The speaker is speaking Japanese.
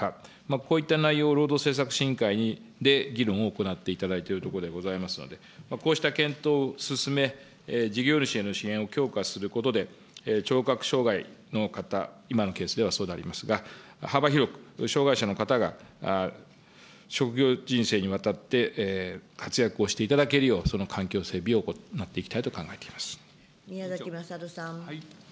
こういった内容を労働審議政策会に議論を行っていただいているところでございますので、こうした検討を進め、事業主への支援を強化することで、聴覚障害の方、今のケースではそうでありますが、幅広く障害者の方が職業人生にわたって活躍をしていただけるよう、その環境整備を行っていきたいと宮崎勝さん。